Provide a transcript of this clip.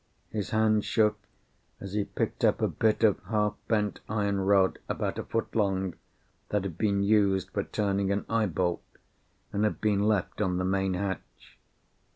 His hand shook as he picked up a bit of half bent iron rod, about a foot long, that had been used for turning an eye bolt, and had been left on the main hatch.